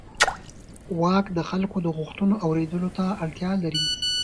واک د خلکو د غوښتنو اورېدلو ته اړتیا لري.